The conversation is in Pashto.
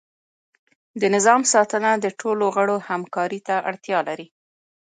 د نظام ساتنه د ټولو غړو همکاری ته اړتیا لري.